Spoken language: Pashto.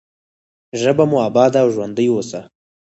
ژبه مو اباده او ژوندۍ اوسه.